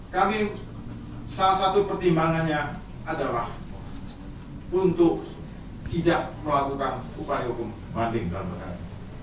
kami salah satu pertimbangannya adalah untuk tidak melakukan upaya hukum banding dalam perkara